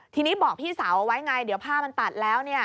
ทีนี้บอกพี่สาวเอาไว้ไงเดี๋ยวผ้ามันตัดแล้ว